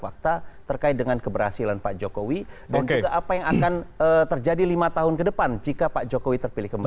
fakta terkait dengan keberhasilan pak jokowi dan juga apa yang akan terjadi lima tahun ke depan jika pak jokowi terpilih kembali